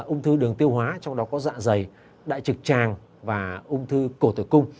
ung thư đường tiêu hóa trong đó có dạ dày đại trực tràng và ung thư cổ tử cung